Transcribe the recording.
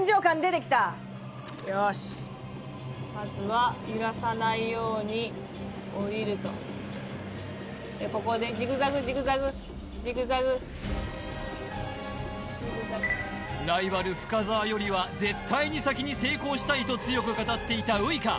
よしまずは揺らさないように下りるとでここでライバル深澤よりは絶対に先に成功したいと強く語っていたウイカ